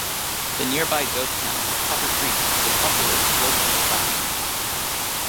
The nearby ghost town of Copper Creek is a popular local attraction.